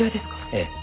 ええ。